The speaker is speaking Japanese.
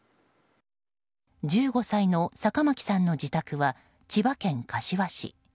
１５歳の坂巻さんの自宅は千葉県柏市。